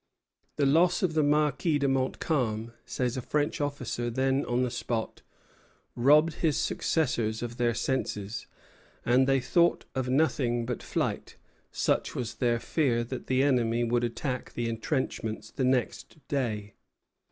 "The loss of the Marquis de Montcalm," says a French officer then on the spot, "robbed his successors of their senses, and they thought of nothing but flight; such was their fear that the enemy would attack the intrenchments the next day.